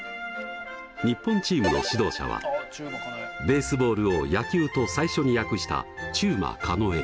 日本チームの指導者はベースボールを「野球」と最初に訳した中馬庚。